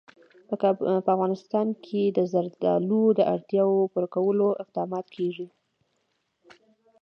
په افغانستان کې د زردالو د اړتیاوو پوره کولو اقدامات کېږي.